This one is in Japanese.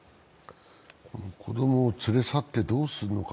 子供を連れ去ってどうするのか。